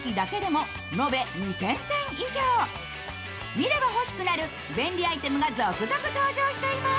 見れば欲しくなる便利アイテムが続々登場しています。